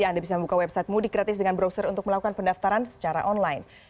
anda bisa membuka website mudik gratis dengan browser untuk melakukan pendaftaran secara online